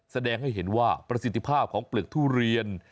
แสดงให้เห็นว่าประสิทธิภาพของเปลือกทุเรียน